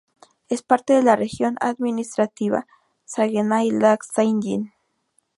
Es parte de la región administrativa Saguenay-Lac-Saint-Jean.